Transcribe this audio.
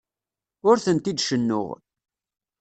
Ur tent-id-cennuɣ.